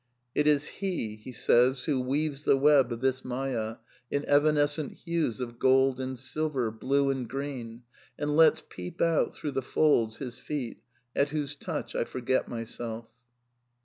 " It is he who weaves the web of this mdyd in evanescent hues of gold and silver, blue and green, and lets peep out through the folds his feet, at whose touch I forget myself."